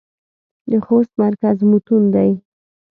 د خوست مرکز متون دى.